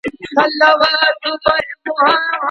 خپل واجبات په سمه توګه ترسره کړئ.